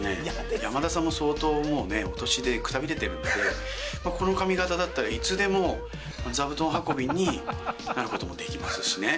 山田さんも相当もうね、お年で、くたびれてるんで、この髪形だったら、いつでも座布団運びになることもできますしね。